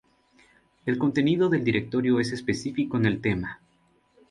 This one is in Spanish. El contenido del directorio es específico en el tema.